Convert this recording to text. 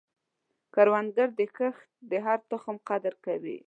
کروندګر د کښت د هر تخم قدر کوي